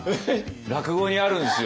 落語にあるんですよ。